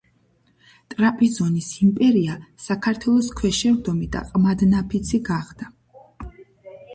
ტრაპიზონის იმპერია საქართველოს ქვეშევრდომი და ყმადნაფიცი გახდა.